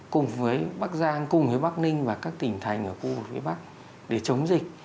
cùng với bắc giang cùng với bắc ninh và các tỉnh thành ở khu vực phía bắc để chống dịch